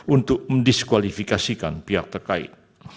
untuk mendiskualifikasikan pihak terkait